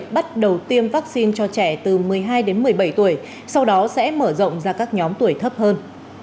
bắt đầu tiêm vaccine cho trẻ từ một mươi hai đến một mươi bảy tuổi sau đó sẽ mở rộng ra các nhóm tuổi thấp hơn